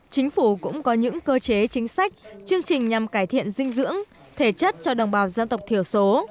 chính phủ cũng có những cơ chế chính sách chương trình nhằm cải thiện dinh dưỡng thể chất cho đồng bào dân tộc thiểu số